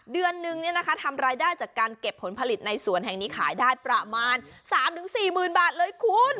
เดือนนึงทำรายได้จากการเก็บผลผลิตในสวนแห่งนี้ขายได้ประมาณ๓๔๐๐๐บาทเลยคุณ